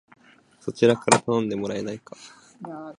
そちらから頼んでもらえないか